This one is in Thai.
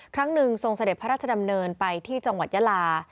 ครั้งหนึ่งทรงเสด็จพระราชดำเนินไปที่จังหวัดยาลา